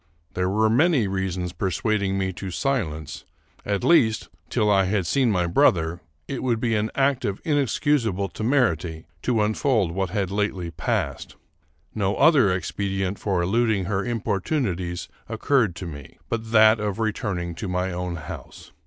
There were many reasons persuading me to silence; at least, till I had seen my brother, it would be an act of inexcusable temerity to unfold what had lately passed. No other expedient for eluding her importunities occurred to me but that of returning to my own house.